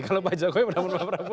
kalau pak jokowi menamun pak prabowo